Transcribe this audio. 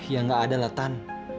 ya nggak ada lah tan